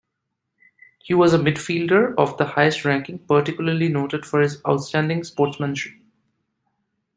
He was a mid-fielder of the highest ranking, particularly noted for his outstanding sportsmanship.